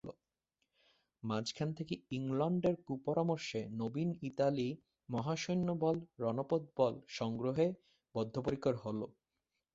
মাঝখান থেকে ইংলণ্ডের কুপরামর্শে নবীন ইতালী মহাসৈন্য-বল, রণপোত-বল সংগ্রহে বদ্ধপরিকর হল।